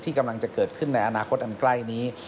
ที่กำลังจะเกิดขึ้นในอนาคตอำกรรมไกลนี้